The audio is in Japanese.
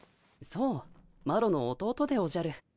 そうマロの弟でおじゃる。